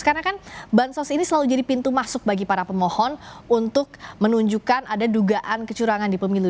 karena kan bansos ini selalu jadi pintu masuk bagi para pemohon untuk menunjukkan ada dugaan kecurangan di pemerintah